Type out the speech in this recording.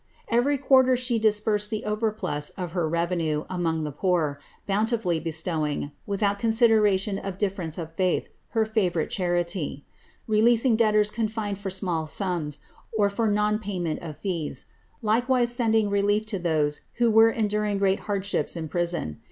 '' Every quarter be dispersed the overplus of her revenue among the poor, bountifully otowing, without consideration of difference of faith, her favourite krity — releasing debtors confined for small sums, or for non payment Cfees; likewise sending relief to those who were enduring great hard bips in prison.